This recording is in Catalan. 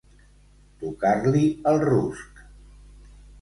Tocar-li el rusc.